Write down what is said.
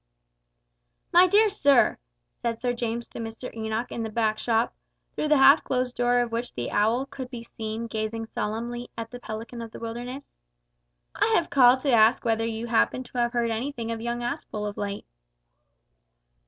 "My dear sir," said Sir James to Mr Enoch in the back shop, through the half closed door of which the owl could be seen gazing solemnly at the pelican of the wilderness, "I have called to ask whether you happen to have heard anything of young Aspel of late?"